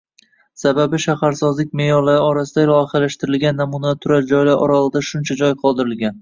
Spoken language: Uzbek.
Sababi shaharsozlik me`yorlari orasida loyihalashtirilgan namunali turar joylar oralig`ida shuncha joy qoldirilgan